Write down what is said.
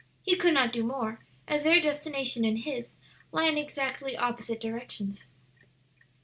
He could not do more, as their destination and his lie in exactly opposite directions."